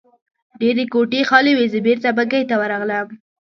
ډېرې کوټې خالي وې، زه بېرته بګۍ ته ورغلم.